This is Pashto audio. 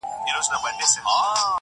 • په انارګل به ښکلی بهار وي -